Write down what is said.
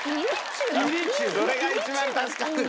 それが一番助かる。